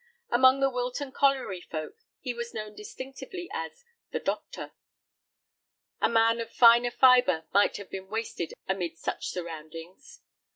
Among the Wilton colliery folk he was known distinctively as "the doctor." A man of finer fibre might have been wasted amid such surroundings.